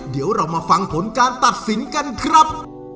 เดี๋ยวเรามาฟังผลการตัดสินกันครับ